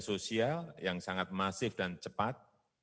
sosial yang sangat masif dan cepat